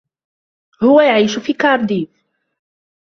هو يعيش في كارديف.